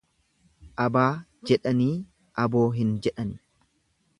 Abaa jedhanii aboo hin jedhani.